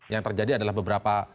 yang terjadi adalah beberapa